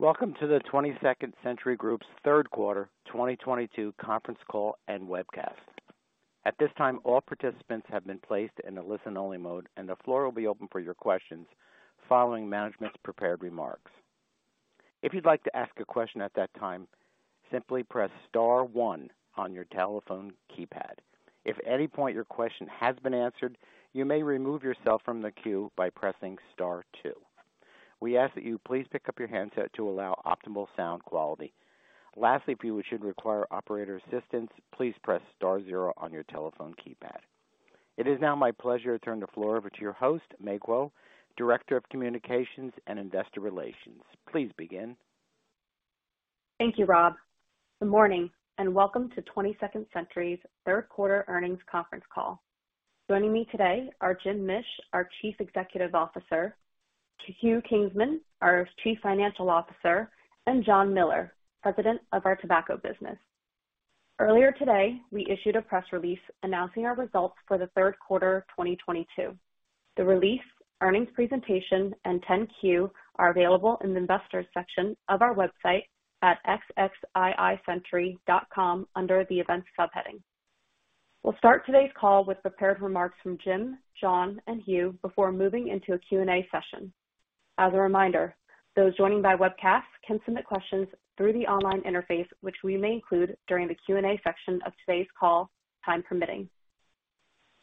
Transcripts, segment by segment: Welcome to the 22nd Century Group's third quarter 2022 conference call and webcast. At this time, all participants have been placed in a listen-only mode, and the floor will be open for your questions following management's prepared remarks. If you'd like to ask a question at that time, simply press star one on your telephone keypad. If at any point your question has been answered, you may remove yourself from the queue by pressing star two. We ask that you please pick up your handset to allow optimal sound quality. Lastly, if you should require operator assistance, please press star zero on your telephone keypad. It is now my pleasure to turn the floor over to your host, Mei Kuo, Director of Communications and Investor Relations. Please begin. Thank you, Rob. Good morning, and welcome to 22nd Century's third quarter earnings conference call. Joining me today are Jim Mish, our Chief Executive Officer, Hugh Kinsman, our Chief Financial Officer, and John Miller, President of our tobacco business. Earlier today, we issued a press release announcing our results for the third quarter of 2022. The release, earnings presentation, and 10-Q are available in the Investors section of our website at xxiicentury.com under the Events subheading. We'll start today's call with prepared remarks from Jim, John, and Hugh before moving into a Q&A session. As a reminder, those joining by webcast can submit questions through the online interface, which we may include during the Q&A section of today's call, time permitting.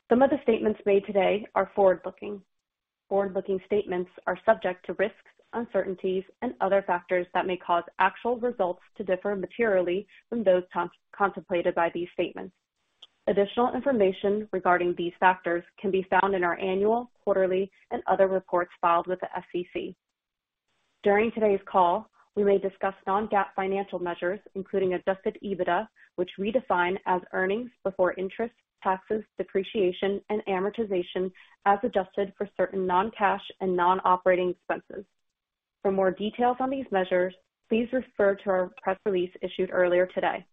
Some of the statements made today are forward-looking. Forward-looking statements are subject to risks, uncertainties, and other factors that may cause actual results to differ materially from those contemplated by these statements. Additional information regarding these factors can be found in our annual, quarterly, and other reports filed with the SEC. During today's call, we may discuss non-GAAP financial measures, including adjusted EBITDA, which we define as earnings before interest, taxes, depreciation, and amortization, as adjusted for certain non-cash and non-operating expenses. For more details on these measures, please refer to our press release issued earlier today.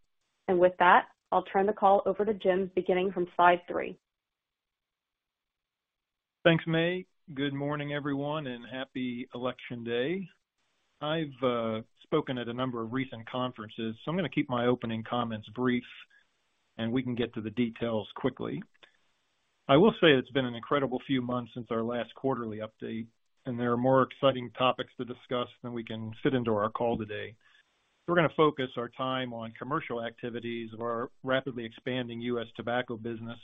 With that, I'll turn the call over to Jim, beginning from slide three. Thanks, Mei. Good morning, everyone, happy election day. I've spoken at a number of recent conferences, I'm going to keep my opening comments brief, we can get to the details quickly. I will say it's been an incredible few months since our last quarterly update, there are more exciting topics to discuss than we can fit into our call today. We're going to focus our time on commercial activities of our rapidly expanding U.S. tobacco business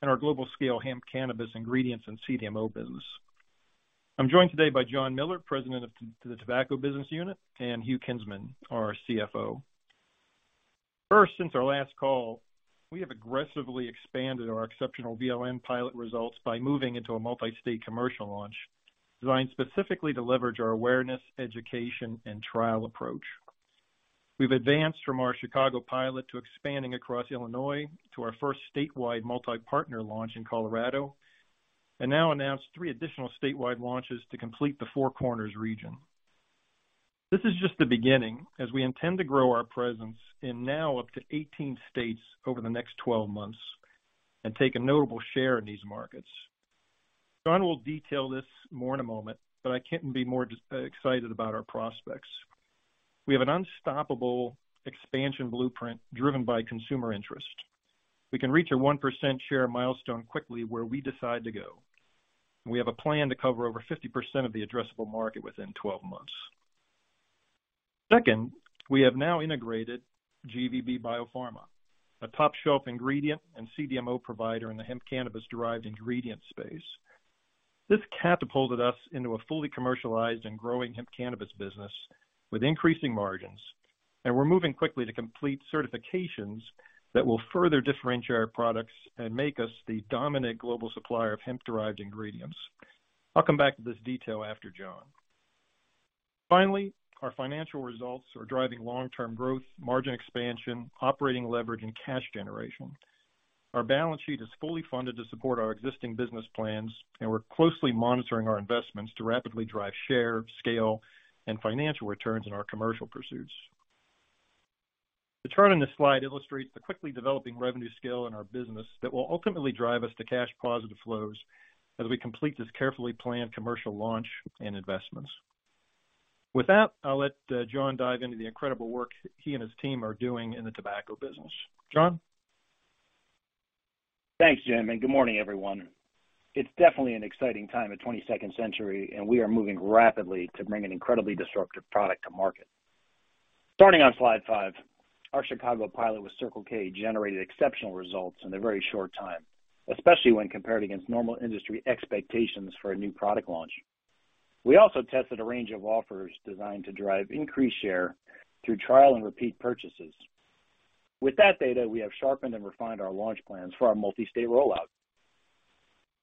and our global scale hemp cannabis ingredients and CDMO business. I'm joined today by John Miller, President of the Tobacco Business Unit, and Hugh Kinsman, our CFO. First, since our last call, we have aggressively expanded our exceptional VLN pilot results by moving into a multi-state commercial launch designed specifically to leverage our awareness, education, and trial approach. We've advanced from our Chicago pilot to expanding across Illinois to our first statewide multi-partner launch in Colorado, and now announced three additional statewide launches to complete the Four Corners region. This is just the beginning, as we intend to grow our presence in now up to 18 states over the next 12 months and take a notable share in these markets. John will detail this more in a moment, but I can't be more excited about our prospects. We have an unstoppable expansion blueprint driven by consumer interest. We can reach a 1% share milestone quickly where we decide to go. We have a plan to cover over 50% of the addressable market within 12 months. Second, we have now integrated GVB Biopharma, a top-shelf ingredient and CDMO provider in the hemp cannabis-derived ingredient space. This catapulted us into a fully commercialized and growing hemp cannabis business with increasing margins. We're moving quickly to complete certifications that will further differentiate our products and make us the dominant global supplier of hemp-derived ingredients. I'll come back to this detail after John. Finally, our financial results are driving long-term growth, margin expansion, operating leverage, and cash generation. Our balance sheet is fully funded to support our existing business plans, and we're closely monitoring our investments to rapidly drive share, scale, and financial returns in our commercial pursuits. The chart on this slide illustrates the quickly developing revenue scale in our business that will ultimately drive us to cash positive flows as we complete this carefully planned commercial launch and investments. With that, I'll let John dive into the incredible work he and his team are doing in the tobacco business. John? Thanks, Jim, and good morning, everyone. It's definitely an exciting time at 22nd Century, and we are moving rapidly to bring an incredibly disruptive product to market. Starting on slide five, our Chicago pilot with Circle K generated exceptional results in a very short time, especially when compared against normal industry expectations for a new product launch. We also tested a range of offers designed to drive increased share through trial and repeat purchases. With that data, we have sharpened and refined our launch plans for our multi-state rollout.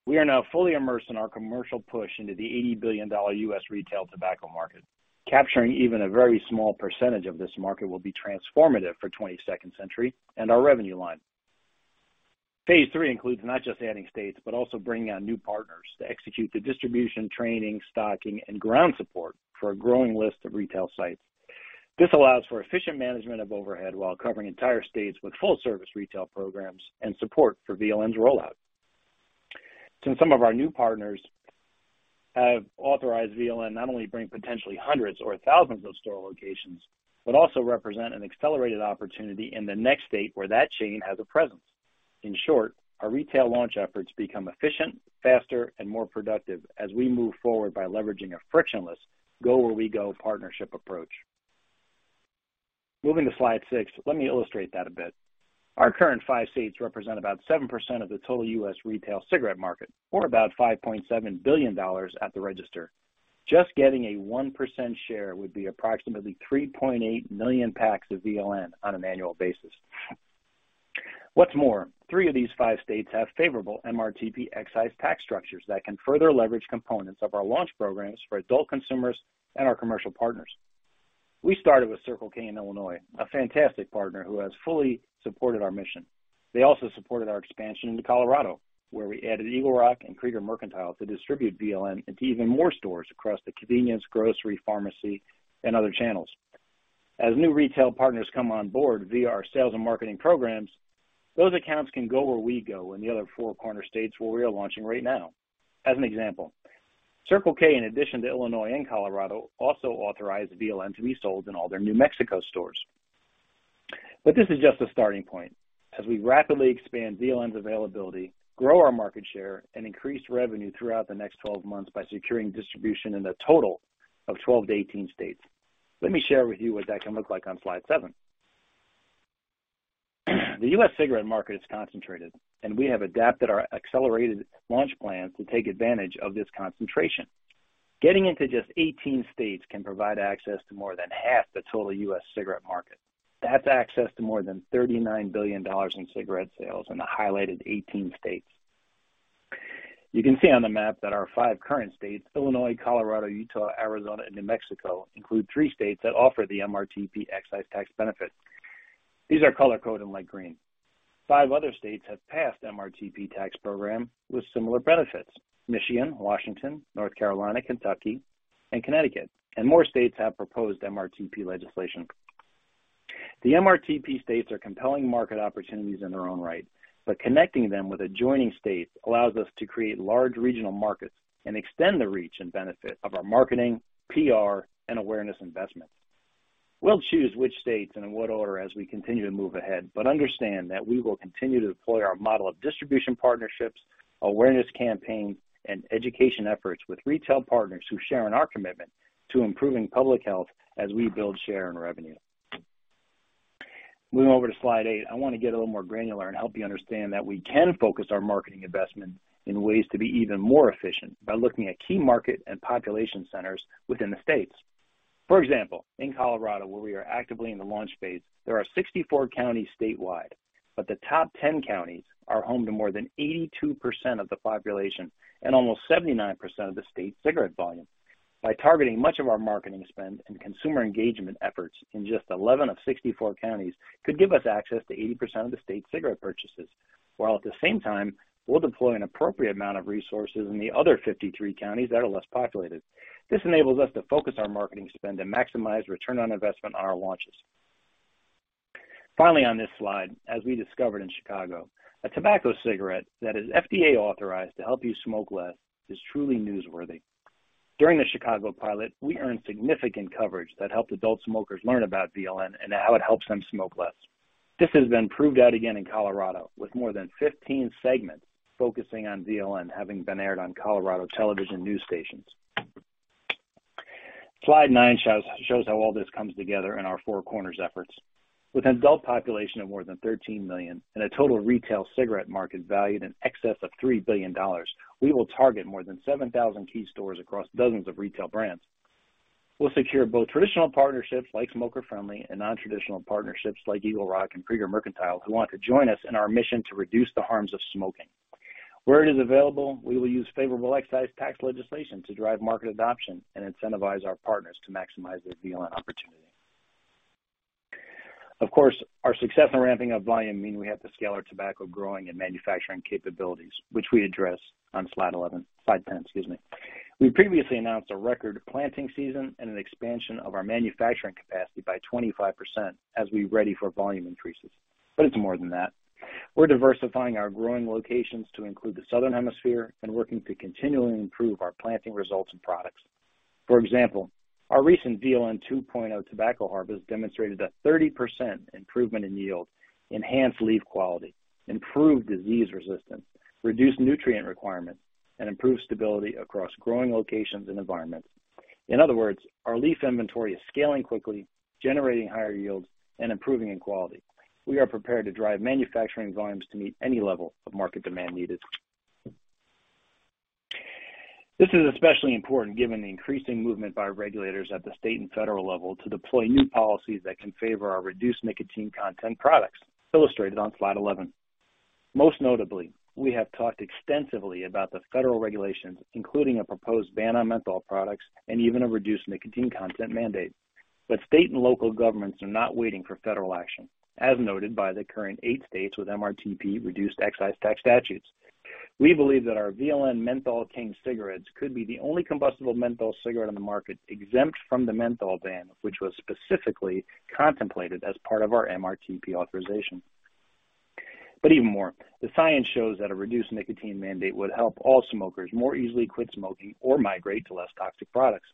We are now fully immersed in our commercial push into the $80 billion U.S. retail tobacco market. Capturing even a very small percentage of this market will be transformative for 22nd Century and our revenue line. Phase III includes not just adding states, but also bringing on new partners to execute the distribution, training, stocking, and ground support for a growing list of retail sites. This allows for efficient management of overhead while covering entire states with full-service retail programs and support for VLN's rollout. Since some of our new partners have authorized VLN, not only bring potentially hundreds or thousands of store locations, but also represent an accelerated opportunity in the next state where that chain has a presence. In short, our retail launch efforts become efficient, faster, and more productive as we move forward by leveraging a frictionless go where we go partnership approach. Moving to slide six, let me illustrate that a bit. Our current five states represent about 7% of the total U.S. retail cigarette market, or about $5.7 billion at the register. Just getting a 1% share would be approximately 3.8 million packs of VLN on an annual basis. Three of these five states have favorable MRTP excise tax structures that can further leverage components of our launch programs for adult consumers and our commercial partners. We started with Circle K in Illinois, a fantastic partner who has fully supported our mission. They also supported our expansion into Colorado, where we added Eagle Rock and Krieger Mercantile to distribute VLN into even more stores across the convenience, grocery, pharmacy, and other channels. As new retail partners come on board via our sales and marketing programs, those accounts can go where we go in the other four corner states where we are launching right now. As an example, Circle K, in addition to Illinois and Colorado, also authorized VLN to be sold in all their New Mexico stores. This is just a starting point. As we rapidly expand VLN's availability, grow our market share, and increase revenue throughout the next 12 months by securing distribution in a total of 12 to 18 states. Let me share with you what that can look like on slide seven. The U.S. cigarette market is concentrated, and we have adapted our accelerated launch plan to take advantage of this concentration. Getting into just 18 states can provide access to more than half the total U.S. cigarette market. That's access to more than $39 billion in cigarette sales in the highlighted 18 states. You can see on the map that our five current states, Illinois, Colorado, Utah, Arizona, and New Mexico, include three states that offer the MRTP excise tax benefit. These are color-coded in light green. Five other states have passed MRTP tax program with similar benefits. Michigan, Washington, North Carolina, Kentucky, and Connecticut. More states have proposed MRTP legislation. The MRTP states are compelling market opportunities in their own right, but connecting them with adjoining states allows us to create large regional markets and extend the reach and benefit of our marketing, PR, and awareness investments. We'll choose which states and in what order as we continue to move ahead, but understand that we will continue to deploy our model of distribution partnerships, awareness campaigns, and education efforts with retail partners who share in our commitment to improving public health as we build share and revenue. Moving over to slide eight, I want to get a little more granular and help you understand that we can focus our marketing investment in ways to be even more efficient by looking at key market and population centers within the states. For example, in Colorado, where we are actively in the launch phase, there are 64 counties statewide, but the top 10 counties are home to more than 82% of the population and almost 79% of the state's cigarette volume. By targeting much of our marketing spend and consumer engagement efforts in just 11 of 64 counties could give us access to 80% of the state's cigarette purchases, while at the same time, we'll deploy an appropriate amount of resources in the other 53 counties that are less populated. This enables us to focus our marketing spend and maximize return on investment on our launches. Finally, on this slide, as we discovered in Chicago, a tobacco cigarette that is FDA authorized to help you smoke less is truly newsworthy. During the Chicago pilot, we earned significant coverage that helped adult smokers learn about VLN and how it helps them smoke less. This has been proved out again in Colorado, with more than 15 segments focusing on VLN having been aired on Colorado television news stations. Slide nine shows how all this comes together in our Four Corners efforts. With an adult population of more than 13 million and a total retail cigarette market valued in excess of $3 billion, we will target more than 7,000 key stores across dozens of retail brands. We'll secure both traditional partnerships like Smoker Friendly and non-traditional partnerships like Eagle Rock and Krieger Mercantile, who want to join us in our mission to reduce the harms of smoking. Where it is available, we will use favorable excise tax legislation to drive market adoption and incentivize our partners to maximize their VLN opportunity. Our success in ramping up volume mean we have to scale our tobacco growing and manufacturing capabilities, which we address on slide 11. Slide 10, excuse me. We previously announced a record planting season and an expansion of our manufacturing capacity by 25% as we ready for volume increases. It's more than that. We're diversifying our growing locations to include the Southern Hemisphere and working to continually improve our planting results and products. For example, our recent VLN 2.0 tobacco harvest demonstrated a 30% improvement in yield, enhanced leaf quality, improved disease resistance, reduced nutrient requirements, and improved stability across growing locations and environments. Our leaf inventory is scaling quickly, generating higher yields, and improving in quality. We are prepared to drive manufacturing volumes to meet any level of market demand needed. This is especially important given the increasing movement by regulators at the state and federal level to deploy new policies that can favor our reduced nicotine content products, illustrated on slide 11. Most notably, we have talked extensively about the federal regulations, including a proposed ban on menthol products and even a reduced nicotine content mandate. State and local governments are not waiting for federal action, as noted by the current eight states with MRTP reduced excise tax statutes. We believe that our VLN Menthol King cigarettes could be the only combustible menthol cigarette on the market exempt from the menthol ban, which was specifically contemplated as part of our MRTP authorization. Even more, the science shows that a reduced nicotine mandate would help all smokers more easily quit smoking or migrate to less toxic products.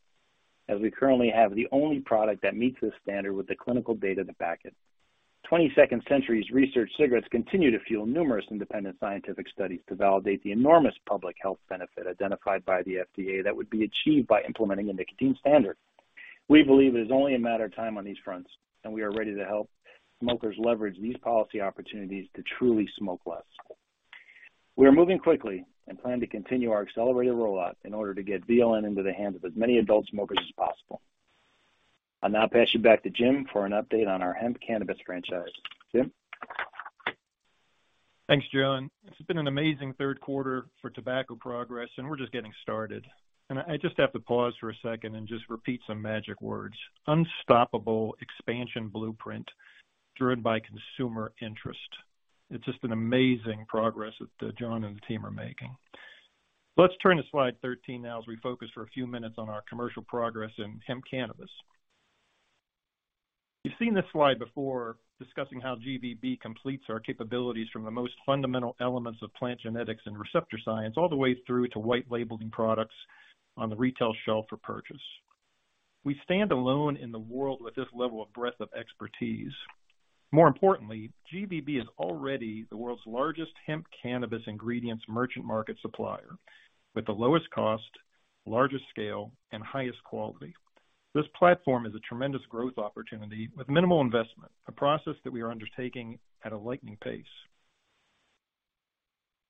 We currently have the only product that meets this standard with the clinical data to back it. 22nd Century's research cigarettes continue to fuel numerous independent scientific studies to validate the enormous public health benefit identified by the FDA that would be achieved by implementing a nicotine standard. We believe it is only a matter of time on these fronts, we are ready to help smokers leverage these policy opportunities to truly smoke less. We are moving quickly and plan to continue our accelerated rollout in order to get VLN into the hands of as many adult smokers as possible. I'll now pass you back to Jim for an update on our hemp cannabis franchise. Jim? Thanks, John. It's been an amazing third quarter for tobacco progress, and we're just getting started. I just have to pause for a second and just repeat some magic words. Unstoppable expansion blueprint driven by consumer interest. It's just been amazing progress that John and the team are making. Let's turn to slide 13 now as we focus for a few minutes on our commercial progress in hemp cannabis. You've seen this slide before, discussing how GVB completes our capabilities from the most fundamental elements of plant genetics and receptor science all the way through to white labeling products on the retail shelf for purchase. We stand alone in the world with this level of breadth of expertise. More importantly, GVB is already the world's largest hemp cannabis ingredients merchant market supplier with the lowest cost, largest scale, and highest quality. This platform is a tremendous growth opportunity with minimal investment, a process that we are undertaking at a lightning pace.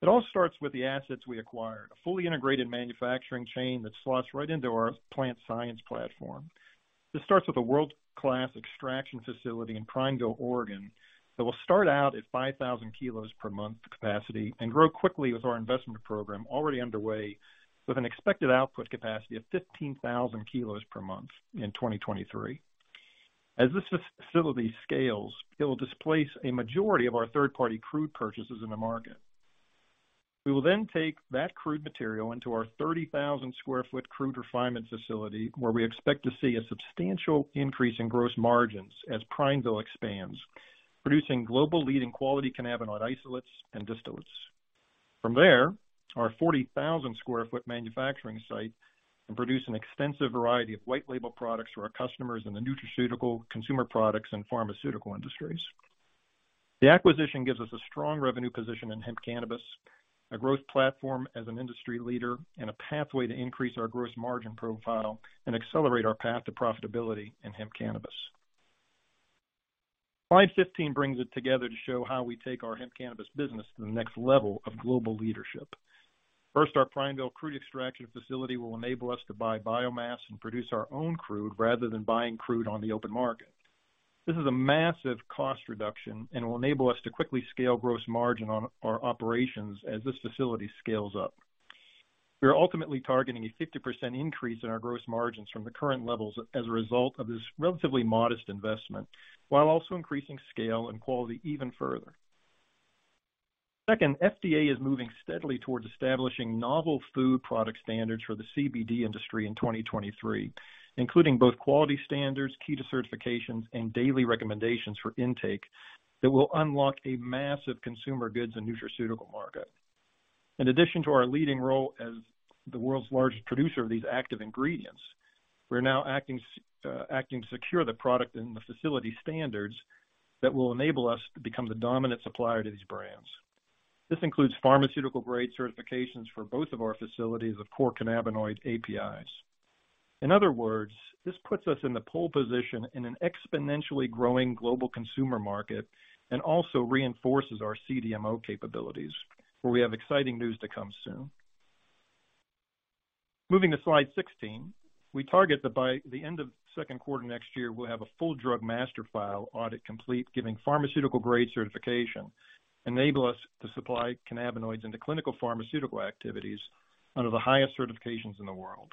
It all starts with the assets we acquired, a fully integrated manufacturing chain that slots right into our plant science platform. This starts with a world-class extraction facility in Prineville, Oregon, that will start out at 5,000 kilos per month capacity and grow quickly with our investment program already underway with an expected output capacity of 15,000 kilos per month in 2023. As this facility scales, it will displace a majority of our third-party crude purchases in the market. We will then take that crude material into our 30,000 square foot crude refinement facility where we expect to see a substantial increase in gross margins as Prineville expands, producing global leading quality cannabinoid isolates and distillates. From there, our 40,000 square foot manufacturing site can produce an extensive variety of white label products for our customers in the nutraceutical, consumer products, and pharmaceutical industries. The acquisition gives us a strong revenue position in hemp cannabis, a growth platform as an industry leader, and a pathway to increase our gross margin profile and accelerate our path to profitability in hemp cannabis. Slide 15 brings it together to show how we take our hemp cannabis business to the next level of global leadership. First, our Prineville crude extraction facility will enable us to buy biomass and produce our own crude rather than buying crude on the open market. This is a massive cost reduction and will enable us to quickly scale gross margin on our operations as this facility scales up. We are ultimately targeting a 50% increase in our gross margins from the current levels as a result of this relatively modest investment, while also increasing scale and quality even further. Second, FDA is moving steadily towards establishing novel food product standards for the CBD industry in 2023, including both quality standards, key to certifications, and daily recommendations for intake that will unlock a massive consumer goods and nutraceutical market. In addition to our leading role as the world's largest producer of these active ingredients, we're now acting to secure the product and the facility standards that will enable us to become the dominant supplier to these brands. This includes pharmaceutical-grade certifications for both of our facilities of core cannabinoid APIs. In other words, this puts us in the pole position in an exponentially growing global consumer market and also reinforces our CDMO capabilities, where we have exciting news to come soon. Moving to slide 16, we target that by the end of the second quarter next year, we'll have a full drug master file audit complete giving pharmaceutical-grade certification, enable us to supply cannabinoids into clinical pharmaceutical activities under the highest certifications in the world.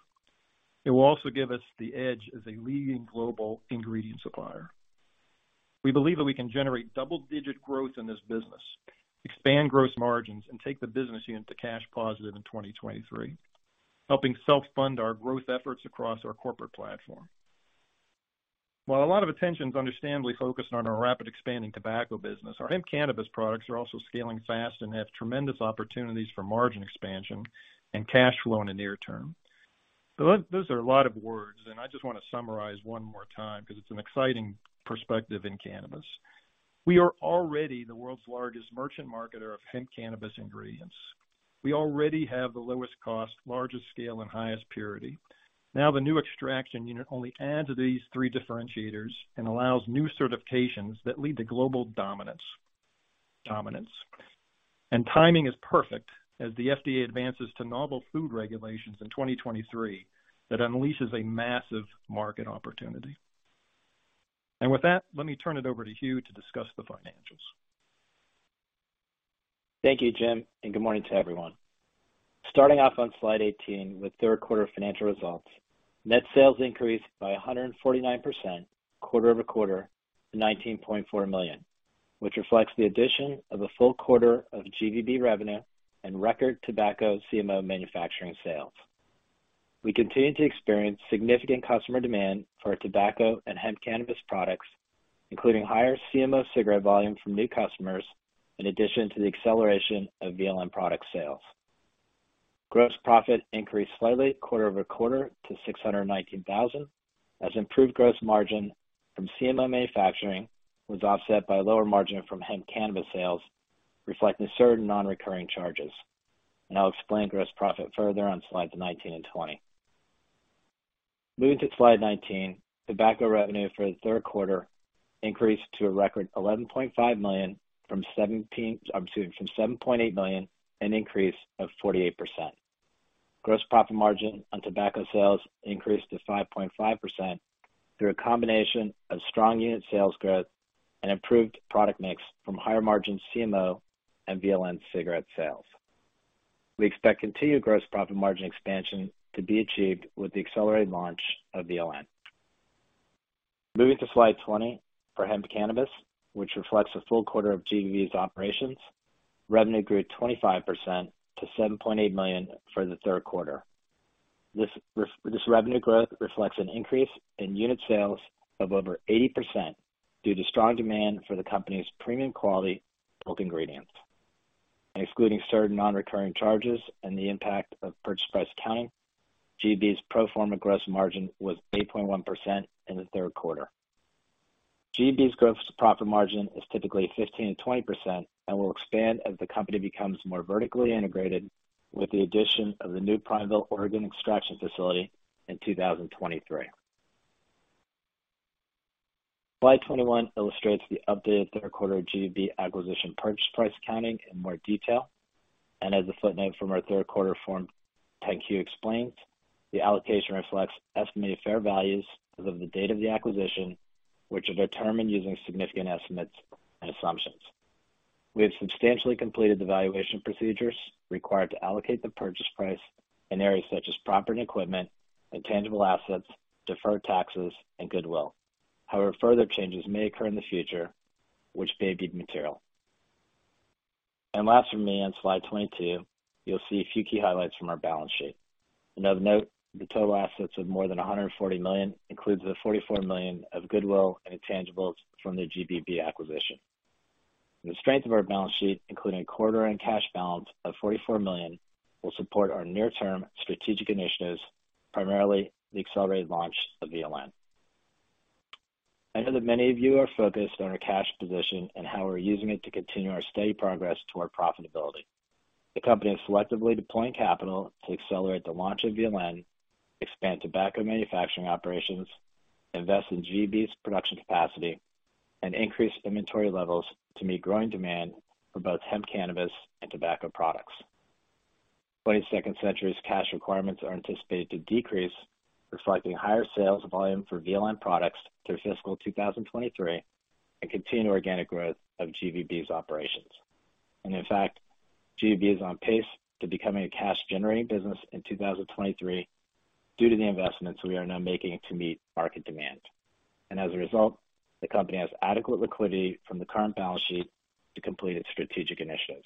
It will also give us the edge as a leading global ingredient supplier. We believe that we can generate double-digit growth in this business, expand gross margins, and take the business unit to cash positive in 2023, helping self-fund our growth efforts across our corporate platform. While a lot of attention is understandably focused on our rapid expanding tobacco business, our hemp cannabis products are also scaling fast and have tremendous opportunities for margin expansion and cash flow in the near term. Those are a lot of words, I just want to summarize one more time because it's an exciting perspective in cannabis. We are already the world's largest merchant marketer of hemp cannabis ingredients. We already have the lowest cost, largest scale, and highest purity. Now, the new extraction unit only adds to these three differentiators and allows new certifications that lead to global dominance. Timing is perfect as the FDA advances to novel food regulations in 2023 that unleashes a massive market opportunity. With that, let me turn it over to Hugh to discuss the financials. Thank you, Jim, good morning to everyone. Starting off on slide 18 with third quarter financial results. Net sales increased by 149% quarter-over-quarter to $19.4 million, which reflects the addition of a full quarter of GVB revenue and record tobacco CMO manufacturing sales. We continue to experience significant customer demand for our tobacco and hemp cannabis products, including higher CMO cigarette volume from new customers, in addition to the acceleration of VLN product sales. Gross profit increased slightly quarter-over-quarter to $619,000, as improved gross margin from CMO manufacturing was offset by lower margin from hemp cannabis sales, reflecting certain non-recurring charges. I'll explain gross profit further on slides 19 and 20. Moving to slide 19, tobacco revenue for the third quarter increased to a record $11.5 million from $7.8 million, an increase of 48%. Gross profit margin on tobacco sales increased to 5.5% through a combination of strong unit sales growth and improved product mix from higher margin CMO and VLN cigarette sales. We expect continued gross profit margin expansion to be achieved with the accelerated launch of VLN. Moving to slide 20 for hemp cannabis, which reflects a full quarter of GVB's operations, revenue grew 25% to $7.8 million for the third quarter. This revenue growth reflects an increase in unit sales of over 80% due to strong demand for the company's premium quality bulk ingredients. Excluding certain non-recurring charges and the impact of purchase price accounting, GVB's pro forma gross margin was 8.1% in the third quarter. GVB's gross profit margin is typically 15%-20% and will expand as the company becomes more vertically integrated with the addition of the new Prineville, Oregon, extraction facility in 2023. Slide 21 illustrates the updated third quarter GVB acquisition purchase price accounting in more detail. As the footnote from our third quarter Form 10-Q explains, the allocation reflects estimated fair values as of the date of the acquisition, which are determined using significant estimates and assumptions. We have substantially completed the valuation procedures required to allocate the purchase price in areas such as property and equipment, intangible assets, deferred taxes, and goodwill. However, further changes may occur in the future, which may be material. Last from me, on slide 22, you'll see a few key highlights from our balance sheet. Another note, the total assets of more than $140 million includes the $44 million of goodwill and intangibles from the GVB acquisition. The strength of our balance sheet, including a quarter-end cash balance of $44 million, will support our near-term strategic initiatives, primarily the accelerated launch of VLN. I know that many of you are focused on our cash position and how we're using it to continue our steady progress toward profitability. The company is selectively deploying capital to accelerate the launch of VLN, expand tobacco manufacturing operations, invest in GVB's production capacity, and increase inventory levels to meet growing demand for both hemp cannabis and tobacco products. 22nd Century's cash requirements are anticipated to decrease, reflecting higher sales volume for VLN products through fiscal 2023 and continued organic growth of GVB's operations. In fact, GVB is on pace to becoming a cash-generating business in 2023 due to the investments we are now making to meet market demand. As a result, the company has adequate liquidity from the current balance sheet to complete its strategic initiatives.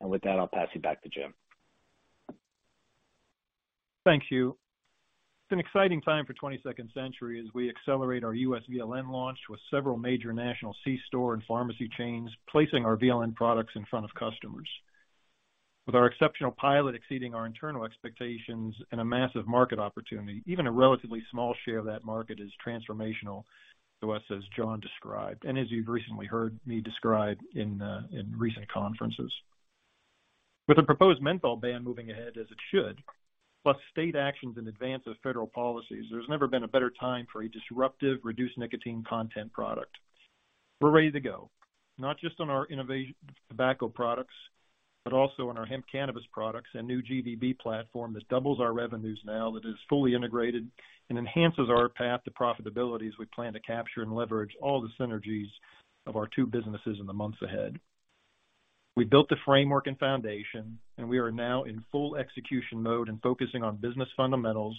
With that, I'll pass you back to Jim. Thank you. It's an exciting time for 22nd Century as we accelerate our U.S. VLN launch with several major national C-store and pharmacy chains placing our VLN products in front of customers. With our exceptional pilot exceeding our internal expectations and a massive market opportunity, even a relatively small share of that market is transformational to us, as John described, and as you've recently heard me describe in recent conferences. With a proposed menthol ban moving ahead as it should, plus state actions in advance of federal policies, there's never been a better time for a disruptive, reduced nicotine content product. We're ready to go, not just on our innovation tobacco products, but also on our hemp cannabis products and new GVB platform that doubles our revenues now, that is fully integrated and enhances our path to profitability as we plan to capture and leverage all the synergies of our two businesses in the months ahead. We built the framework and foundation, and we are now in full execution mode and focusing on business fundamentals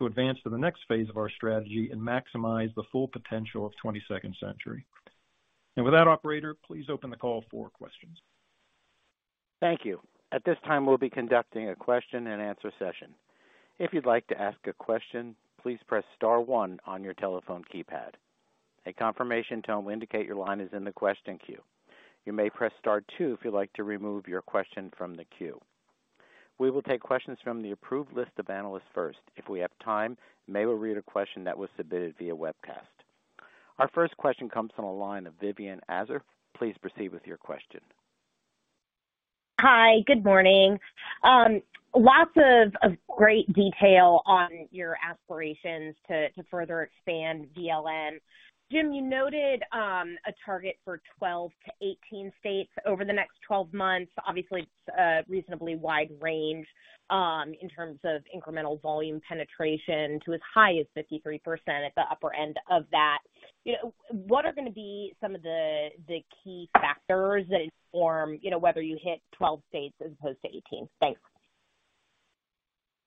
to advance to the next phase of our strategy and maximize the full potential of 22nd Century. With that, Operator, please open the call for questions. Thank you. At this time, we'll be conducting a question and answer session. If you'd like to ask a question, please press star one on your telephone keypad. A confirmation tone will indicate your line is in the question queue. You may press star two if you'd like to remove your question from the queue. We will take questions from the approved list of analysts first. If we have time, Mei will read a question that was submitted via webcast. Our first question comes from the line of Vivien Azer. Please proceed with your question. Hi. Good morning. Lots of great detail on your aspirations to further expand VLN. Jim, you noted a target for 12 to 18 states over the next 12 months. Obviously, it's a reasonably wide range in terms of incremental volume penetration to as high as 53% at the upper end of that. What are going to be some of the key factors that inform whether you hit 12 states as opposed to 18? Thanks.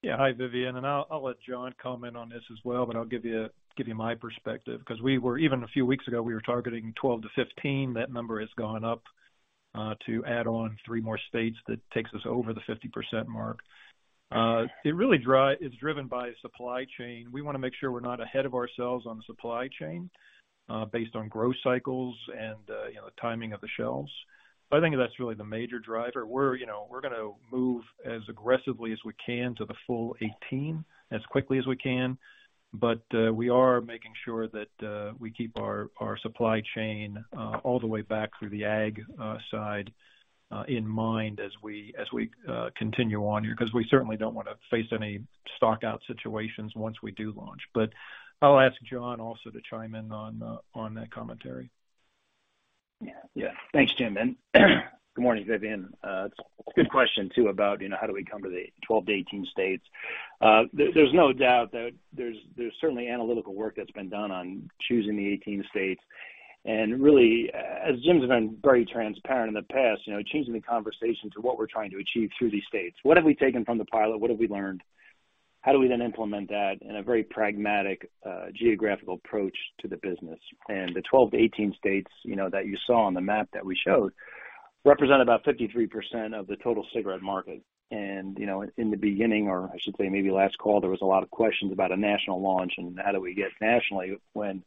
Yeah. Hi, Vivien, I'll let John comment on this as well, but I'll give you my perspective because even a few weeks ago, we were targeting 12 to 15. That number has gone up. To add on three more states, that takes us over the 50% mark. It really is driven by supply chain. We want to make sure we're not ahead of ourselves on the supply chain based on growth cycles and the timing of the shelves. I think that's really the major driver. We're going to move as aggressively as we can to the full 18 as quickly as we can. We are making sure that we keep our supply chain all the way back through the ag side in mind as we continue on here, because we certainly don't want to face any stock out situations once we do launch. I'll ask John also to chime in on that commentary. Yeah. Thanks, Jim. Good morning, Vivien. It's a good question too, about how do we come to the 12 to 18 states. There's no doubt that there's certainly analytical work that's been done on choosing the 18 states. Really, as Jim's been very transparent in the past, changing the conversation to what we're trying to achieve through these states. What have we taken from the pilot? What have we learned? How do we then implement that in a very pragmatic geographical approach to the business? The 12 to 18 states that you saw on the map that we showed represent about 53% of the total cigarette market. In the beginning, or I should say maybe last call, there was a lot of questions about a national launch and how do we get nationally, when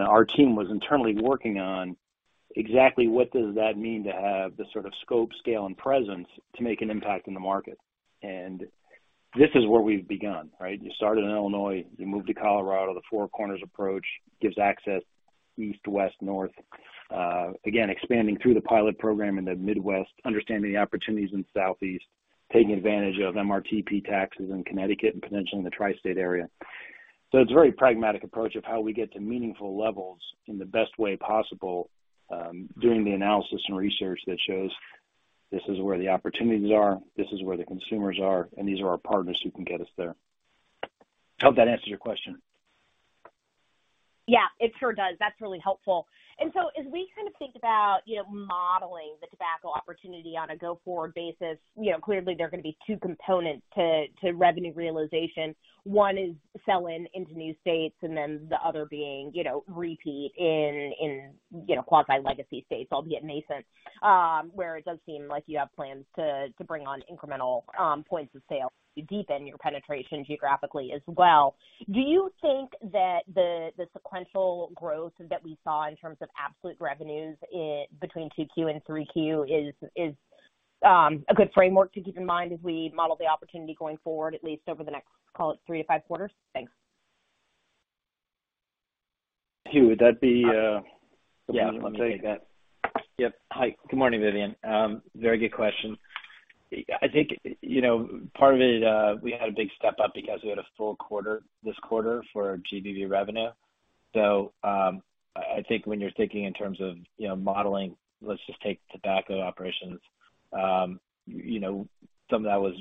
our team was internally working on exactly what does that mean to have the sort of scope, scale, and presence to make an impact in the market. This is where we've begun, right? You started in Illinois, you moved to Colorado. The Four Corners approach gives access east, west, north. Again, expanding through the pilot program in the Midwest, understanding the opportunities in the Southeast, taking advantage of MRTP taxes in Connecticut and potentially in the Tri-State area. It's a very pragmatic approach of how we get to meaningful levels in the best way possible, doing the analysis and research that shows this is where the opportunities are, this is where the consumers are, and these are our partners who can get us there. I hope that answers your question. Yeah, it sure does. That's really helpful. As we kind of think about modeling the tobacco opportunity on a go-forward basis, clearly there are going to be two components to revenue realization. One is sell in into new states, and then the other being repeat in quasi-legacy states, albeit nascent, where it does seem like you have plans to bring on incremental points of sale to deepen your penetration geographically as well. Do you think that the sequential growth that we saw in terms of absolute revenues between 2Q and 3Q is a good framework to keep in mind as we model the opportunity going forward, at least over the next, call it, three to five quarters? Thanks. Hugh, would that be? Yeah, I'll take that. Yep. Hi. Good morning, Vivien. Very good question. I think part of it, we had a big step up because we had a full quarter this quarter for GVB revenue. I think when you're thinking in terms of modeling, let's just take tobacco operations. Some of that was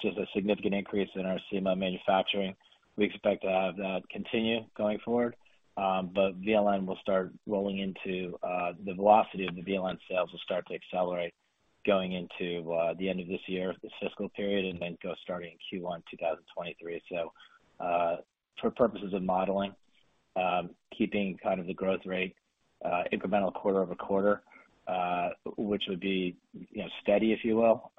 just a significant increase in our CMO manufacturing. We expect to have that continue going forward. VLN will start rolling into the velocity of the VLN sales will start to accelerate going into the end of this year, this fiscal period, and then go starting Q1 2023. For purposes of modeling, keeping kind of the growth rate incremental quarter-over-quarter, which would be steady, if you will,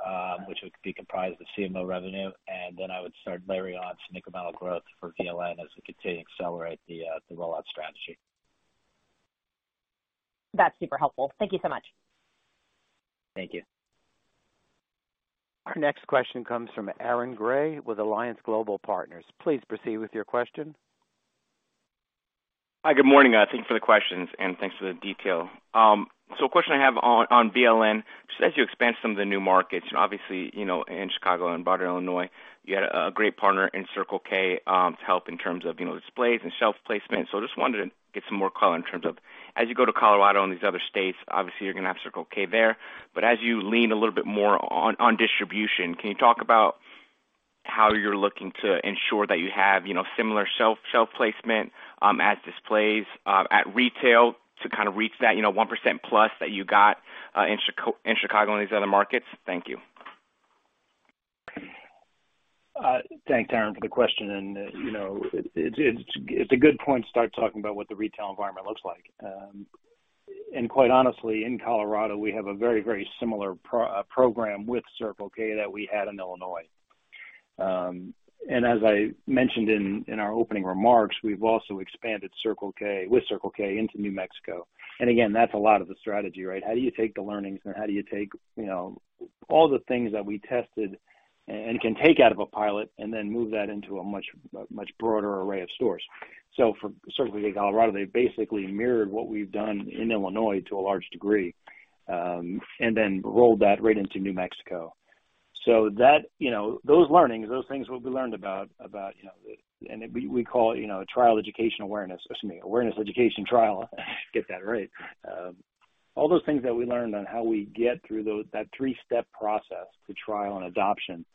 which would be comprised of CMO revenue, and then I would start layering on some incremental growth for VLN as we continue to accelerate the rollout strategy. That's super helpful. Thank you so much. Thank you. Our next question comes from Aaron Gray with Alliance Global Partners. Please proceed with your question. Hi. Good morning. Thank you for the questions, and thanks for the detail. A question I have on VLN, just as you expand some of the new markets, and obviously, in Chicago and broader Illinois, you had a great partner in Circle K to help in terms of displays and shelf placement. I just wanted to get some more color in terms of, as you go to Colorado and these other states, obviously you're going to have Circle K there, but as you lean a little bit more on distribution, can you talk about how you're looking to ensure that you have similar shelf placement at displays, at retail to kind of reach that 1%+ that you got in Chicago and these other markets? Thank you. Thanks, Aaron, for the question. It's a good point to start talking about what the retail environment looks like. Quite honestly, in Colorado, we have a very similar program with Circle K that we had in Illinois. As I mentioned in our opening remarks, we've also expanded with Circle K into New Mexico. Again, that's a lot of the strategy, right? How do you take the learnings and how do you take all the things that we tested and can take out of a pilot and then move that into a much broader array of stores? For Circle K Colorado, they basically mirrored what we've done in Illinois to a large degree, and then rolled that right into New Mexico. Those learnings, those things will be learned about, and we call it awareness education trial. All those things that we learned on how we get through that three-step process to trial and adoption,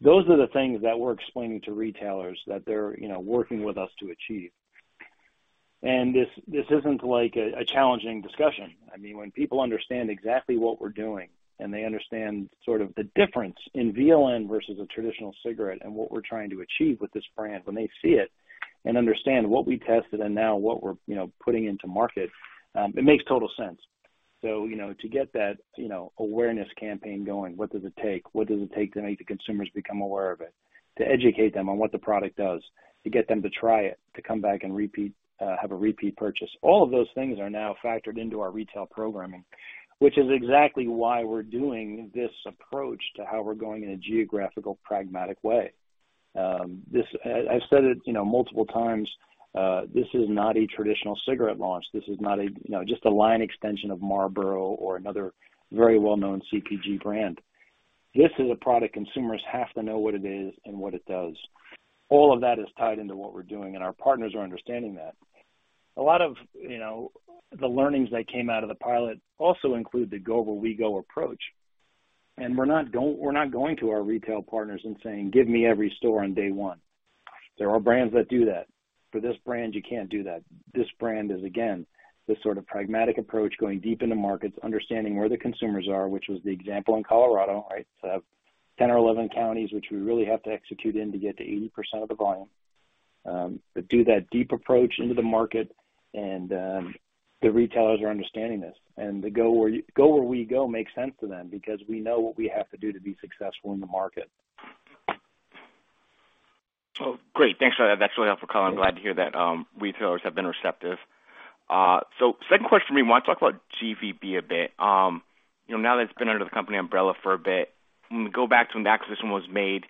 those are the things that we're explaining to retailers that they're working with us to achieve. This isn't like a challenging discussion. I mean, when people understand exactly what we're doing, they understand sort of the difference in VLN versus a traditional cigarette and what we're trying to achieve with this brand, when they see it Understand what we tested and now what we're putting into market, it makes total sense. To get that awareness campaign going, what does it take? What does it take to make the consumers become aware of it, to educate them on what the product does, to get them to try it, to come back and have a repeat purchase? All of those things are now factored into our retail programming, which is exactly why we're doing this approach to how we're going in a geographical, pragmatic way. I've said it multiple times, this is not a traditional cigarette launch. This is not just a line extension of Marlboro or another very well-known CPG brand. This is a product consumers have to know what it is and what it does. All of that is tied into what we're doing, our partners are understanding that. A lot of the learnings that came out of the pilot also include the go where we go approach. We're not going to our retail partners and saying, "Give me every store on day one." There are brands that do that. For this brand, you can't do that. This brand is, again, this sort of pragmatic approach, going deep into markets, understanding where the consumers are, which was the example in Colorado, right? 10 or 11 counties, which we really have to execute in to get to 80% of the volume. To do that deep approach into the market, the retailers are understanding this. The go where we go makes sense to them because we know what we have to do to be successful in the market. Great. Thanks for that. That's really helpful color. I'm glad to hear that retailers have been receptive. Second question for me, I want to talk about GVB a bit. Now that it's been under the company umbrella for a bit, when we go back to when the acquisition was made,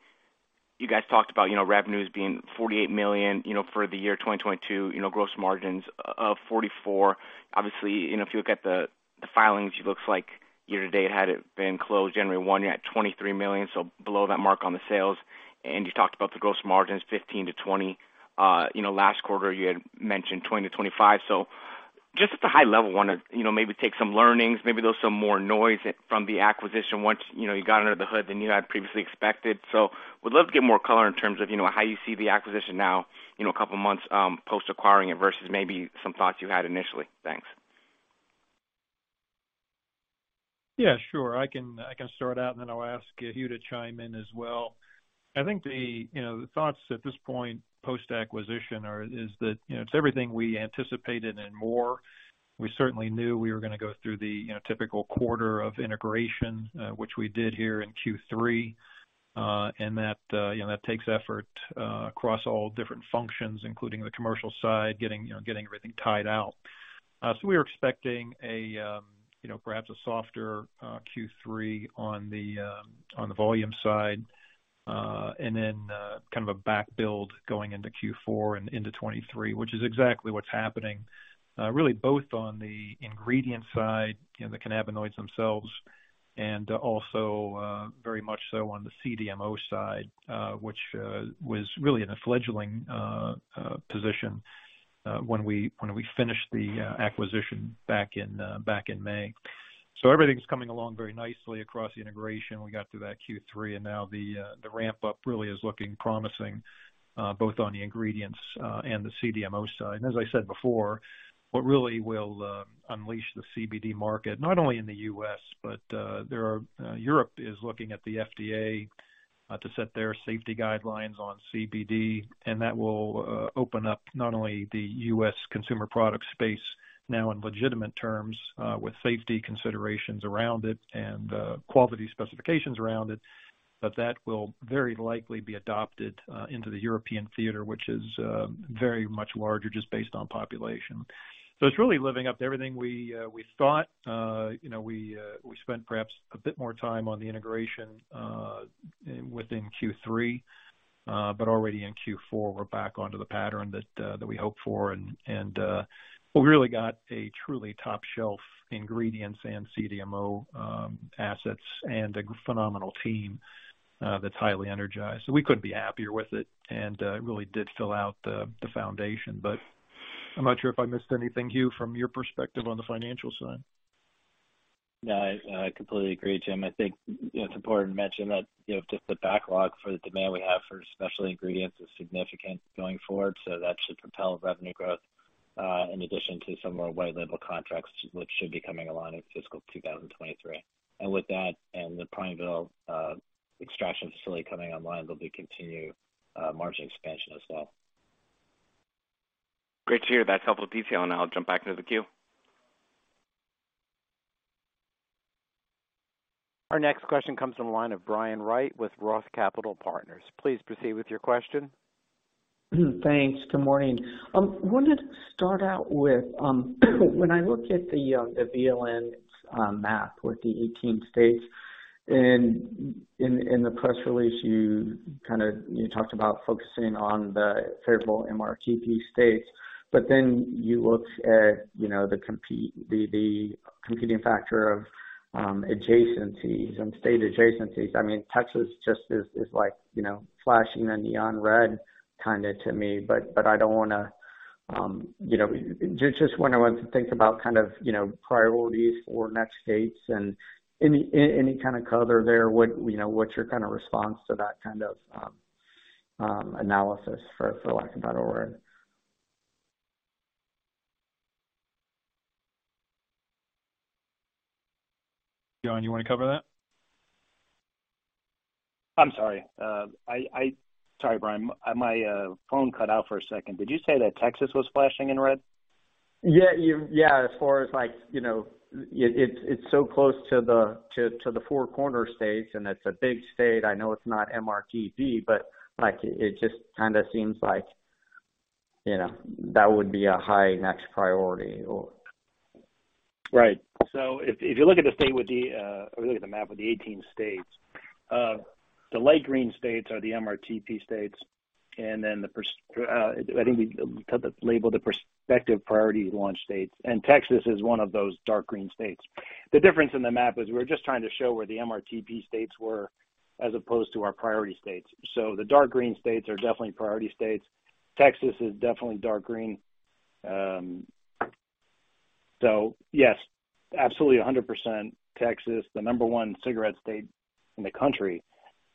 you guys talked about revenues being $48 million for the year 2022, gross margins of 44%. Obviously, if you look at the filings, it looks like year to date, had it been closed January 1, you're at $23 million, so below that mark on the sales. You talked about the gross margins, 15%-20%. Last quarter, you had mentioned 20%-25%. Just at the high level, want to maybe take some learnings, maybe there was some more noise from the acquisition once you got under the hood than you had previously expected. Would love to get more color in terms of how you see the acquisition now a couple of months, post acquiring it, versus maybe some thoughts you had initially. Thanks. Yeah, sure. I can start out, and then I'll ask Hugh to chime in as well. I think the thoughts at this point, post-acquisition, is that it's everything we anticipated and more. We certainly knew we were going to go through the typical quarter of integration, which we did here in Q3. That takes effort across all different functions, including the commercial side, getting everything tied out. We were expecting perhaps a softer Q3 on the volume side, and then kind of a back build going into Q4 and into 2023, which is exactly what's happening, really both on the ingredient side, the cannabinoids themselves, and also very much so on the CDMO side, which was really in a fledgling position when we finished the acquisition back in May. Everything's coming along very nicely across the integration. We got through that Q3, and now the ramp-up really is looking promising, both on the ingredients and the CDMO side. As I said before, what really will unleash the CBD market, not only in the U.S., but Europe is looking at the FDA to set their safety guidelines on CBD, and that will open up not only the U.S. consumer product space now in legitimate terms, with safety considerations around it and quality specifications around it. That will very likely be adopted into the European theater, which is very much larger just based on population. It's really living up to everything we thought. We spent perhaps a bit more time on the integration within Q3. Already in Q4, we're back onto the pattern that we hoped for, and we really got a truly top-shelf ingredients and CDMO assets and a phenomenal team that's highly energized. We couldn't be happier with it, and it really did fill out the foundation. I'm not sure if I missed anything, Hugh, from your perspective on the financial side. No, I completely agree, Jim. I think it's important to mention that just the backlog for the demand we have for special ingredients is significant going forward. That should propel revenue growth, in addition to some more white label contracts, which should be coming online in fiscal 2023. With that and the Prineville extraction facility coming online, there'll be continued margin expansion as well. Great to hear. That's helpful detail, I'll jump back into the queue. Our next question comes from the line of Brian Wright with ROTH Capital Partners. Please proceed with your question. Thanks. Good morning. I wanted to start out with, when I look at the VLN map with the 18 states, in the press release, you talked about focusing on the favorable MRTP states. You looked at the competing factor of adjacencies and state adjacencies. Texas just is flashing a neon red to me. I just want to think about priorities for next states and any kind of color there. What's your response to that kind of analysis, for lack of a better word? John, you want to cover that? I'm sorry. Sorry, Brian. My phone cut out for a second. Did you say that Texas was flashing in red? Yeah. As far as, it's so close to the Four Corner States, it's a big state. I know it's not MRTP, it just kind of seems like that would be a high next priority. Right. If you look at the map of the 18 states, the light green states are the MRTP states, I think we labeled the prospective priorities launch states, Texas is one of those dark green states. The difference in the map is we're just trying to show where the MRTP states were as opposed to our priority states. The dark green states are definitely priority states. Texas is definitely dark green. Yes, absolutely 100% Texas, the number one cigarette state in the country,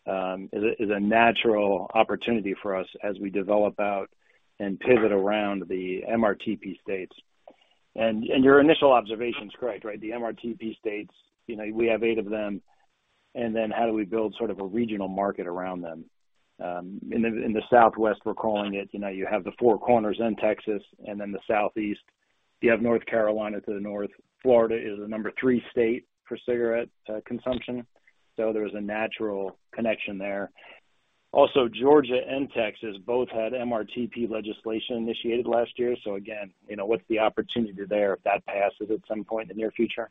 is a natural opportunity for us as we develop out and pivot around the MRTP states. Your initial observation is correct. The MRTP states, we have eight of them, how do we build sort of a regional market around them? In the Southwest, we're calling it, you have the Four Corners and Texas. In the Southeast, you have North Carolina to the north. Florida is the number three state for cigarette consumption, so there is a natural connection there. Georgia and Texas both had MRTP legislation initiated last year, so again, what's the opportunity there if that passes at some point in the near future?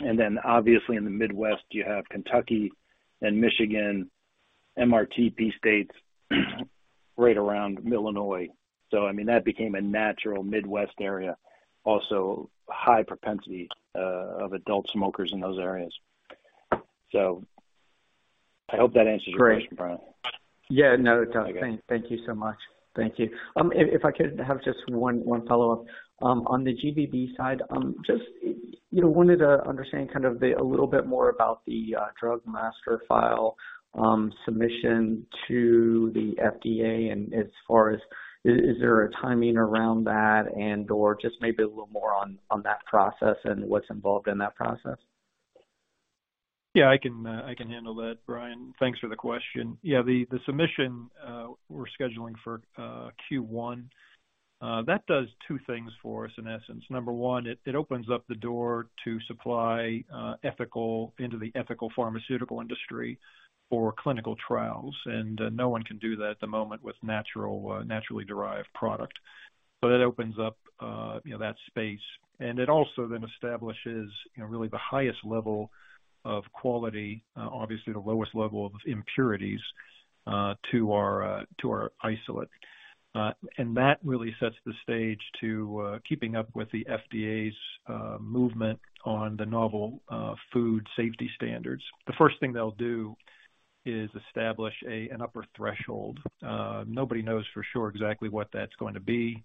In the Midwest, you have Kentucky and Michigan, MRTP states right around Illinois. That became a natural Midwest area. High propensity of adult smokers in those areas. I hope that answers your question, Brian. It does. Thank you so much. Thank you. If I could have just one follow-up. On the GVB side, just wanted to understand kind of a little bit more about the Drug Master File submission to the FDA, and as far as is there a timing around that and/or just maybe a little more on that process and what's involved in that process? I can handle that, Brian. Thanks for the question. The submission we're scheduling for Q1. That does two things for us, in essence. Number one, it opens up the door to supply into the ethical pharmaceutical industry for clinical trials. No one can do that at the moment with naturally derived product. That opens up that space. It also then establishes really the highest level of quality, obviously the lowest level of impurities, to our isolate. That really sets the stage to keeping up with the FDA's movement on the novel food safety standards. The first thing they'll do is establish an upper threshold. Nobody knows for sure exactly what that's going to be,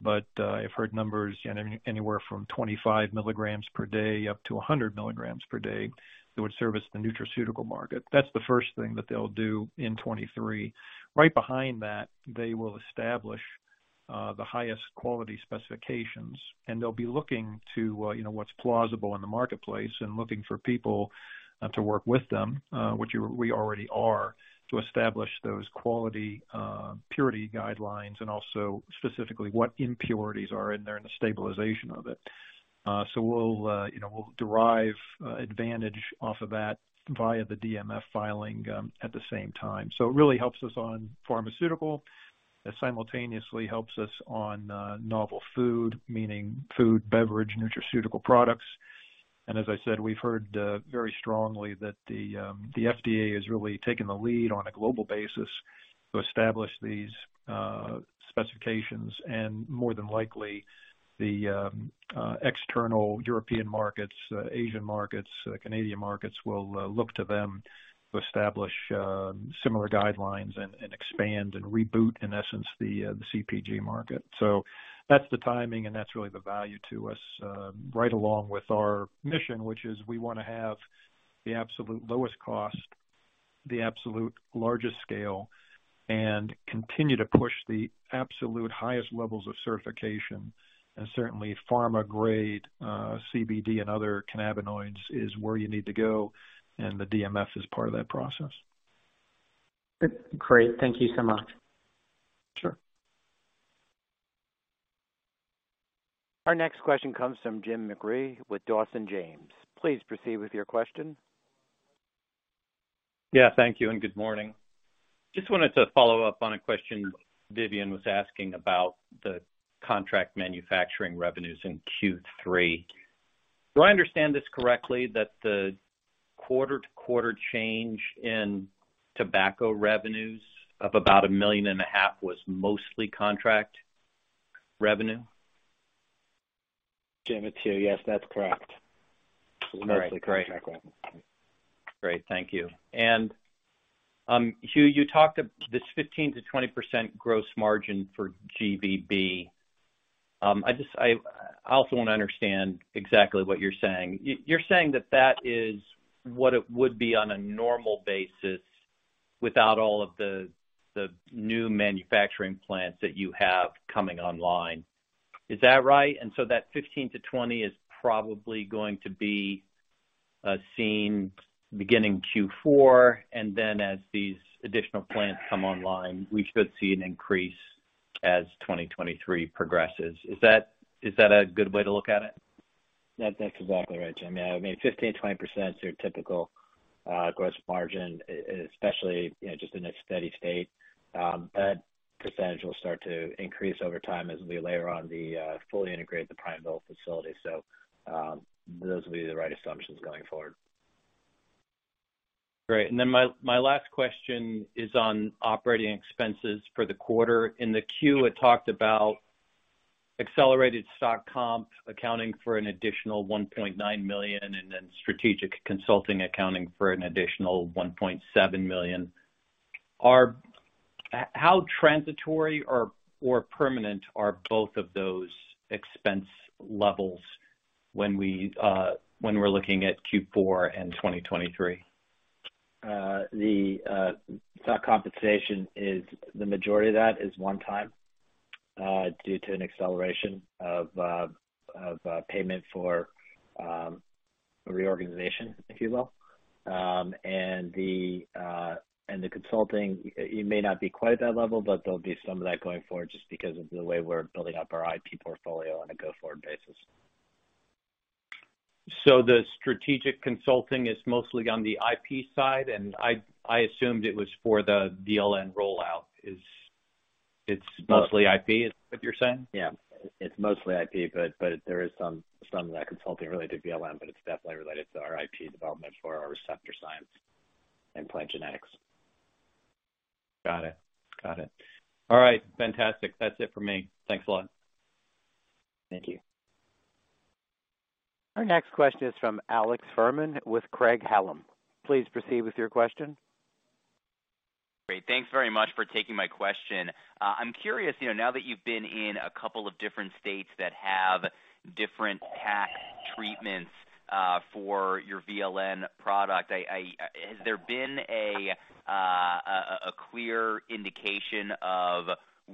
but I've heard numbers anywhere from 25 milligrams per day up to 100 milligrams per day that would service the nutraceutical market. That's the first thing that they'll do in 2023. Right behind that, they will establish the highest quality specifications, and they'll be looking to what's plausible in the marketplace and looking for people to work with them, which we already are, to establish those quality purity guidelines and also specifically what impurities are in there and the stabilization of it. We'll derive advantage off of that via the DMF filing at the same time. It really helps us on pharmaceutical. It simultaneously helps us on novel food, meaning food, beverage, nutraceutical products. As I said, we've heard very strongly that the FDA has really taken the lead on a global basis to establish these specifications, and more than likely, the external European markets, Asian markets, Canadian markets will look to them to establish similar guidelines and expand and reboot, in essence, the CPG market. That's the timing, and that's really the value to us, right along with our mission, which is we want to have the absolute lowest cost, the absolute largest scale, and continue to push the absolute highest levels of certification. Certainly, pharma-grade CBD and other cannabinoids is where you need to go, and the DMF is part of that process. Great. Thank you so much. Sure. Our next question comes from Jim McIlree with Dawson James. Please proceed with your question. Thank you, and good morning. Just wanted to follow up on a question Vivien was asking about the contract manufacturing revenues in Q3. Do I understand this correctly that the quarter-to-quarter change in tobacco revenues of about a million and a half was mostly contract revenue? Jim, it's Hugh. Yes, that's correct. All right, great. Mostly contract revenue. Great. Thank you. Hugh, you talked this 15%-20% gross margin for GVB. I also want to understand exactly what you're saying. You're saying that that is what it would be on a normal basis. Without all of the new manufacturing plants that you have coming online. Is that right? That 15%-20% is probably going to be seen beginning Q4, then as these additional plants come online, we should see an increase as 2023 progresses. Is that a good way to look at it? That's exactly right, Jim. Yeah, 15%-20% is your typical gross margin, especially just in a steady state. That percentage will start to increase over time as we layer on the fully integrated the Prineville facility. Those will be the right assumptions going forward. Great. My last question is on operating expenses for the quarter. In the Form 10-Q, it talked about accelerated stock comp accounting for an additional $1.9 million, strategic consulting accounting for an additional $1.7 million. How transitory or permanent are both of those expense levels when we're looking at Q4 and 2023? The stock compensation is the majority of that is one-time due to an acceleration of payment for a reorganization, if you will. The consulting, it may not be quite at that level, but there'll be some of that going forward just because of the way we're building up our IP portfolio on a go-forward basis. The strategic consulting is mostly on the IP side, and I assumed it was for the VLN rollout. It's mostly IP, is that what you're saying? Yeah. It's mostly IP, but there is some of that consulting related to VLN, but it's definitely related to our IP development for our receptor science and plant genetics. Got it. All right. Fantastic. That's it for me. Thanks a lot. Thank you. Our next question is from Alex Fuhrman with Craig-Hallum. Please proceed with your question. Great. Thanks very much for taking my question. I'm curious, now that you've been in a couple of different states that have different tax treatments for your VLN product, has there been a clear indication of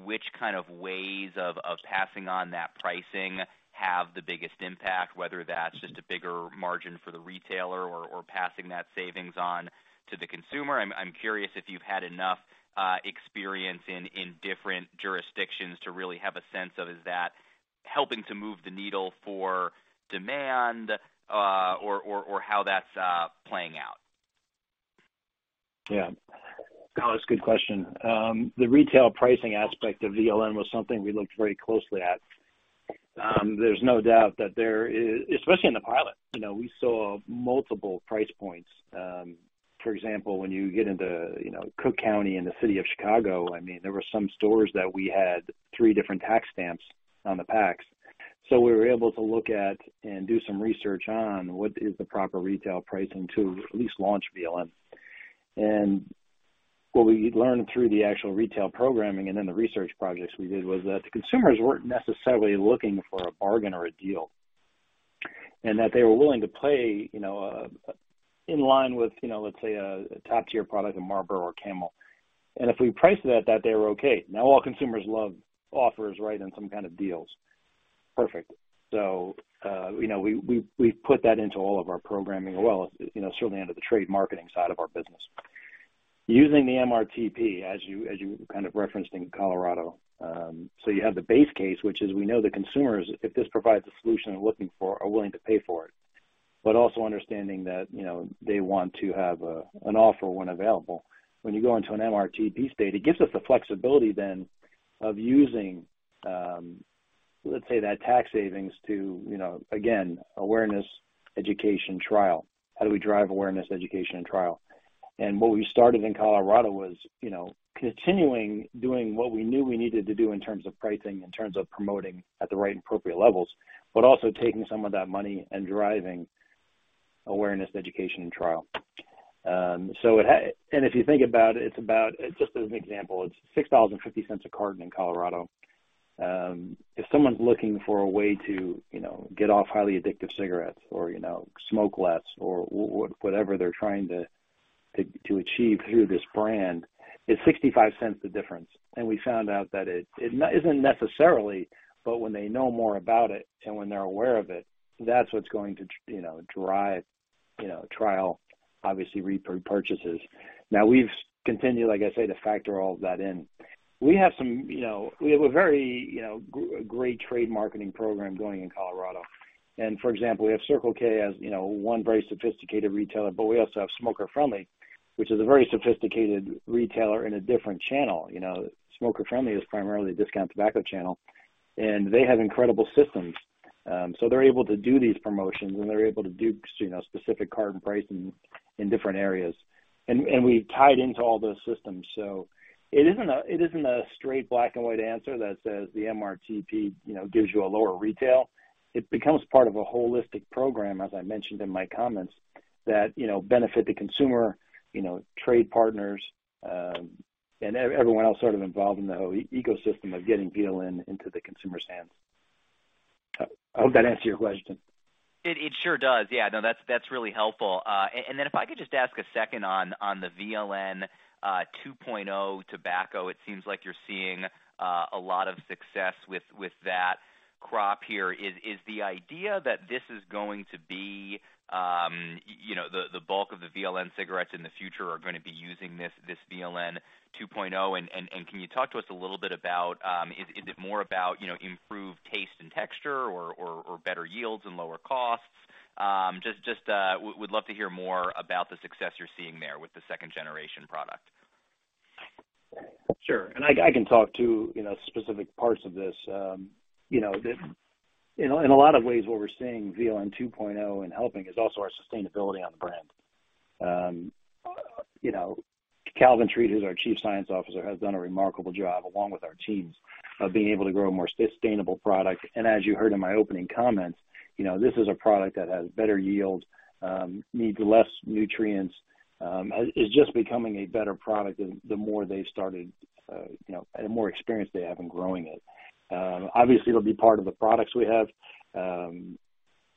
which kind of ways of passing on that pricing have the biggest impact, whether that's just a bigger margin for the retailer or passing that savings on to the consumer? I'm curious if you've had enough experience in different jurisdictions to really have a sense of is that helping to move the needle for demand, or how that's playing out. Yeah. Alex, good question. The retail pricing aspect of VLN was something we looked very closely at. There's no doubt that there, especially in the pilot, we saw multiple price points. For example, when you get into Cook County and the City of Chicago, there were some stores that we had three different tax stamps on the packs. We were able to look at and do some research on what is the proper retail pricing to at least launch VLN. What we learned through the actual retail programming and then the research projects we did was that the consumers weren't necessarily looking for a bargain or a deal, and that they were willing to play in line with, let's say, a top-tier product like Marlboro or Camel. If we priced it at that, they were okay. Now, all consumers love offers and some kind of deals. Perfect. We put that into all of our programming as well, certainly under the trade marketing side of our business. Using the MRTP, as you kind of referenced in Colorado. You have the base case, which is we know the consumers, if this provides a solution they're looking for, are willing to pay for it. Also understanding that they want to have an offer when available. When you go into an MRTP state, it gives us the flexibility then of using, let's say, that tax savings to, again, awareness, education, trial. How do we drive awareness, education, and trial? What we started in Colorado was continuing doing what we knew we needed to do in terms of pricing, in terms of promoting at the right appropriate levels, but also taking some of that money and driving awareness, education, and trial. If you think about, just as an example, it's $6.50 a carton in Colorado. If someone's looking for a way to get off highly addictive cigarettes or smoke less or whatever they're trying to achieve through this brand, it's $0.65 the difference. We found out that it isn't necessarily, but when they know more about it and when they're aware of it, that's what's going to drive trial, obviously, repurchases. Now we've continued, like I say, to factor all of that in. We have a very great trade marketing program going in Colorado. For example, we have Circle K as one very sophisticated retailer, but we also have Smoker Friendly, which is a very sophisticated retailer in a different channel. Smoker Friendly is primarily a discount tobacco channel, and they have incredible systems. They're able to do these promotions, they're able to do specific carton pricing in different areas. We've tied into all those systems. It isn't a straight black and white answer that says the MRTP gives you a lower retail. It becomes part of a holistic program, as I mentioned in my comments, that benefit the consumer, trade partners, and everyone else sort of involved in the whole ecosystem of getting VLN into the consumer's hands. I hope that answered your question. It sure does. Yeah, no, that's really helpful. Then if I could just ask a second on the VLN 2.0 tobacco, it seems like you're seeing a lot of success with that crop here. Is the idea that this is going to be the bulk of the VLN cigarettes in the future are going to be using this VLN 2.0, and can you talk to us a little bit about, is it more about improved taste and texture or better yields and lower costs? Just would love to hear more about the success you're seeing there with the second-generation product. Sure. I can talk to specific parts of this. In a lot of ways, what we're seeing VLN 2.0 in helping is also our sustainability on the brand. Calvin Treat, who's our Chief Scientific Officer, has done a remarkable job, along with our teams, of being able to grow a more sustainable product. As you heard in my opening comments, this is a product that has better yield, needs less nutrients. It's just becoming a better product the more experience they have in growing it. Obviously, it'll be part of the products we have.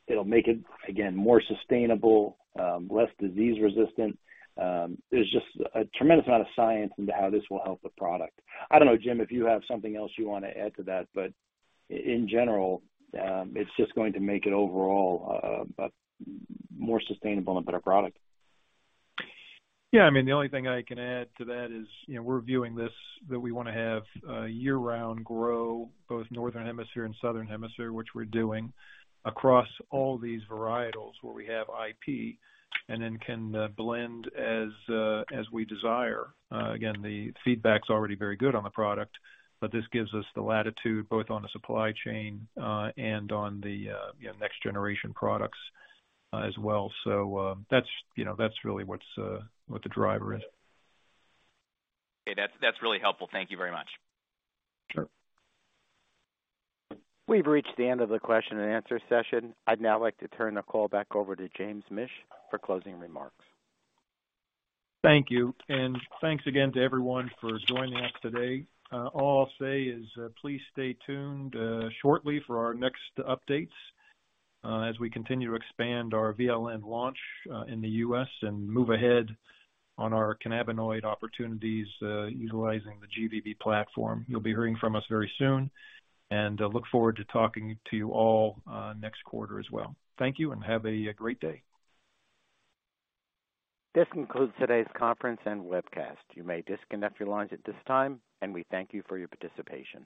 It'll make it, again, more sustainable, more disease resistant. There's just a tremendous amount of science into how this will help the product. I don't know, Jim, if you have something else you want to add to that, but in general, it's just going to make it overall a more sustainable and better product. Yeah, the only thing I can add to that is, we're viewing this, that we want to have year-round grow, both Northern Hemisphere and Southern Hemisphere, which we're doing, across all these varietals where we have IP, then can blend as we desire. Again, the feedback's already very good on the product, but this gives us the latitude, both on the supply chain, and on the next generation products as well. That's really what the driver is. Okay. That's really helpful. Thank you very much. Sure. We've reached the end of the question and answer session. I'd now like to turn the call back over to James A. Mish for closing remarks. Thank you. Thanks again to everyone for joining us today. All I'll say is please stay tuned shortly for our next updates as we continue to expand our VLN launch in the U.S. and move ahead on our cannabinoid opportunities utilizing the GVB platform. You'll be hearing from us very soon. I look forward to talking to you all next quarter as well. Thank you. Have a great day. This concludes today's conference and webcast. You may disconnect your lines at this time. We thank you for your participation.